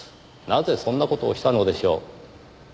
なぜそんな事をしたのでしょう？